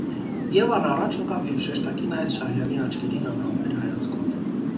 Եվան առաջ ընկավ և շեշտակի նայեց Շահյանի աչքերին անհամբեր հայացքով: